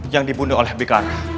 yang dibunuh oleh bekara